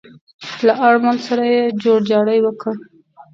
له آرمل سره يې جوړجاړی وکړ.